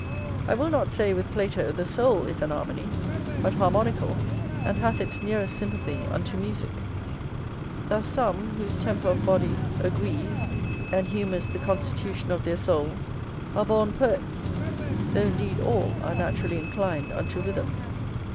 I will not say, with Plato, the soul is an harmony, but harmonical, and hath its nearest sympathy unto musick: thus some, whose temper of body agrees, and humours the constitution of their souls, are born poets, though indeed all are naturally inclined unto rhythm.